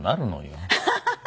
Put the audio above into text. ハハハハ。